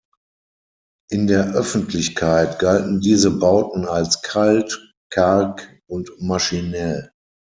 In der Öffentlichkeit galten diese Bauten als „kalt“, „karg“ und „maschinell“.